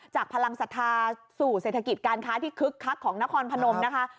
พลังศรัทธาสู่เศรษฐกิจการค้าที่คึกคักของนครพนมนะคะ